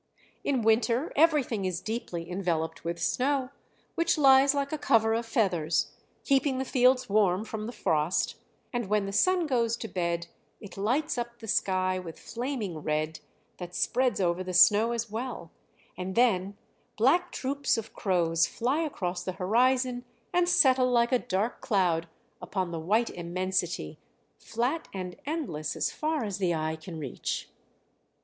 In winter everything is deeply enveloped with snow, which lies like a cover of feathers, keeping the fields warm from the frost, and when the sun goes to bed it lights up the sky with flaming red that spreads over the snow as well; and then black troops of crows fly across the horizon, and settle like a dark cloud upon the white immensity, flat and endless, as far as the eye can reach.